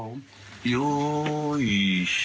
よーいしょ。